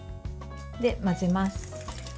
混ぜます。